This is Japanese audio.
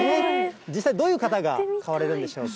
実際、どういう方が買われるんでしょうか。